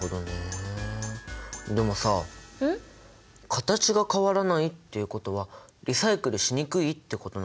形が変わらないっていうことはリサイクルしにくいってことなんじゃない？